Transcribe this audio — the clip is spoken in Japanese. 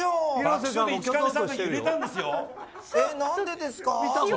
何でですか。